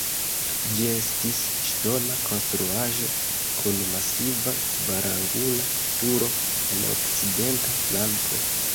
Ĝi estis ŝtona konstruaĵo kun masiva kvarangula turo en okcidenta flanko.